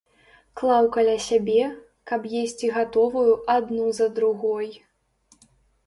Клаў каля сябе, каб есці гатовую адну за другой.